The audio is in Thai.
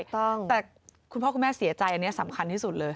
ถูกต้องแต่คุณพ่อคุณแม่เสียใจอันนี้สำคัญที่สุดเลย